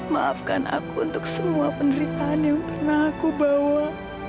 maafkan aku untuk semua penderitaan yang pernah aku bawa